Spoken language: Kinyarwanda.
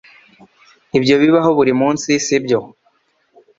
Ibyo bibaho buri munsi sibyo